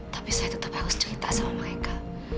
tapi saya tetap harus cerita sama mereka